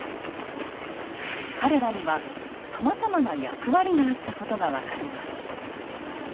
彼らにはさまざまな役割があったことが分かります。